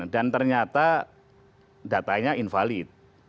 dan ternyata datanya invalid